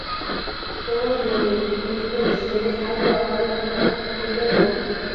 Como guionista de cine, ha trabajado con Bigas Luna.